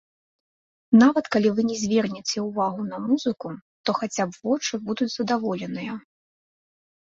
Нават калі вы не звернеце ўвагу на музыку, то хаця б вочы будуць задаволеныя.